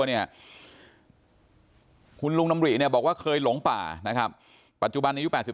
เนี่ยคุณลุงดำริเนี่ยบอกว่าเคยหลงป่านะครับปัจจุบันอายุ๘๓